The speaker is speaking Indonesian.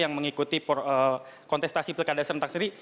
yang mengikuti kontestasi pilkada serentak sendiri